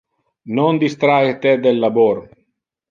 Non distrahe te del labor.